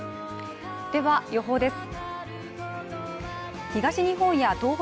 では予報です。